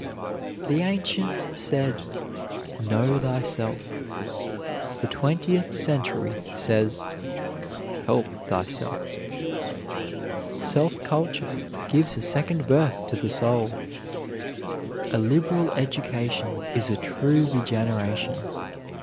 The ancients said, "Know thyself"; the twentieth century says, "Help thyself." Self culture gives a second birth to the soul. A liberal education is a true regeneration.